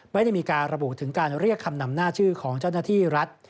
ไม่ได้มีการระบุถึงการเรียกคำนำหน้าชื่อของเจ้าหน้าที่รัฐ